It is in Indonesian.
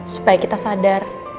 supaya kita sadar